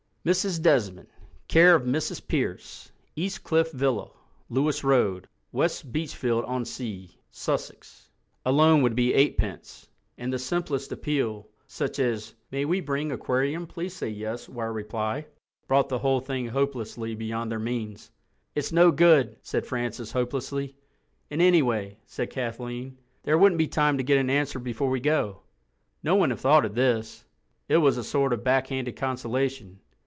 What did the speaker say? MRS DESMOND, CARE OF MRS PEARCE, EAST CLIFF VILLA, LEWIS ROAD, WEST BEACHFIELD ON SEA, SUSSEX alone would be eightpence—and the simplest appeal, such as "May we bring aquarium please say yes wire reply" brought the whole thing hopelessly beyond their means. "It's no good," said Francis hopelessly. "And, anyway," said Kathleen, "there wouldn't be time to get an answer before we go." No one had thought of this. It was a sort of backhanded consolation.